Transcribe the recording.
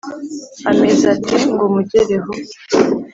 • ameze ate? ngo mugereho